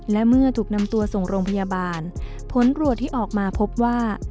และเมื่อถูกนำตัวส่งโรงพยาบาลผลตรวจที่ออกมาพบว่า